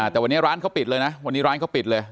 แต่วันนี้ร้านเขาปิดเลยนะวันนี้ร้านเขาปิดเลย